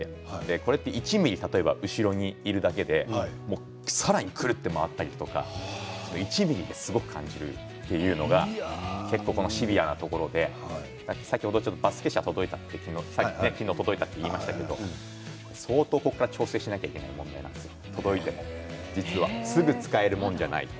これって１ｍｍ後ろにいるだけでさらに、くるっと回ったりとか１ｍｍですごく感じるというのが結構シビアなところで先ほどバスケ車が届いたと言いましたけど相当ここから調整しないといけないなと届いてもすぐ使えるものではない。